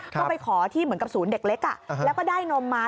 ก็ไปขอที่เหมือนกับศูนย์เด็กเล็กแล้วก็ได้นมมา